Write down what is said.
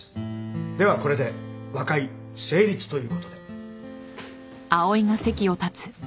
ではこれで和解成立ということで。